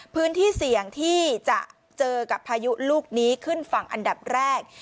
พื้นที่เสี่ยงที่จะเจอกับพายุลูกนี้ขึ้นฝั่งอันดับแรก